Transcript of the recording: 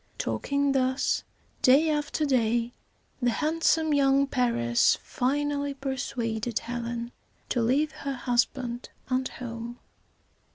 Talking thus day after day, the handsome young Paris finally persuaded Helen to leave her husband and home.